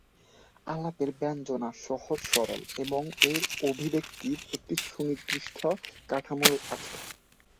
আলাপের ব্যঞ্জনা সহজ সরল এবং এর অভিব্যক্তির একটি সুনির্দিষ্ট কাঠামো আছে।